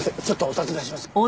ちょっとお尋ねします。